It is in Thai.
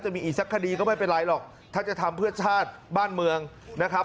มีอีกสักคดีก็ไม่เป็นไรหรอกถ้าจะทำเพื่อชาติบ้านเมืองนะครับ